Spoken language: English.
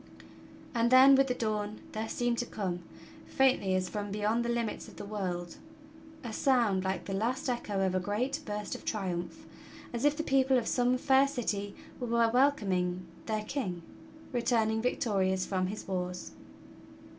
And then, with the dawn there seemed to come, faintly as from beyond the limits of the world, a sound like the last echo of a great burst of triumph, as if the people of some fair city were welcoming their king, returning victorious from his wars.